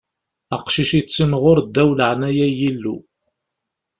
Aqcic ittimɣur ddaw n leɛnaya n Yillu.